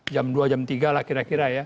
jam dua jam tiga lah kira kira ya